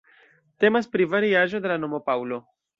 Temas pri variaĵo de la nomo "Paŭlo".